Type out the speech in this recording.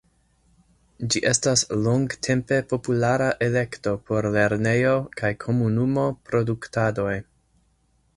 Ĝi estas longtempe populara elekto por lernejo- kaj komunumo-produktadoj.